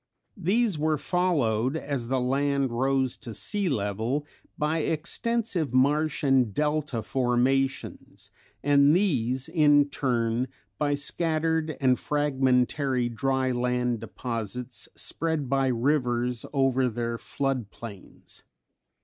These were followed as the land rose to sea level by extensive marsh and delta formations, and these in turn by scattered and fragmentary dry land deposits spread by rivers over their flood plains.